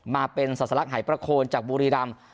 มาเป็นศาสารักษณ์หายประโคลจากบูรีดำ